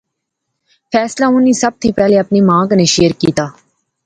فیصلہ انی سب تھی پہلے اپنی ماں کنے شیئر کیتیا